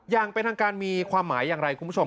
อย่างเป็นทางการมีความหมายอย่างไรคุณผู้ชม